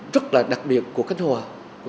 rất là đặc biệt của cánh hòa